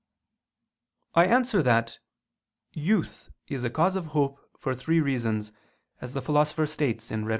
I answer that, Youth is a cause of hope for three reasons, as the Philosopher states in _Rhet.